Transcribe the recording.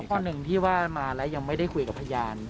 ข้อหนึ่งที่ว่ามาแล้วยังไม่ได้คุยกับพยาน